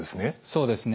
そうですね。